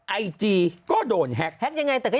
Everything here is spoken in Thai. ไอจีก็โดนแฮ็กนะครับ